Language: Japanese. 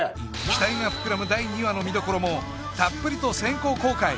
期待が膨らむ第２話の見どころもたっぷりと先行公開